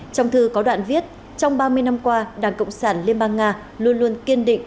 trong thư có đoạn viết trong ba mươi năm qua đảng cộng sản liên bang nga luôn luôn kiên định